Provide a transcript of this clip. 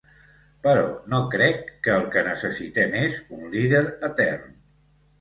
Però no crec que el que necessitem és un líder etern.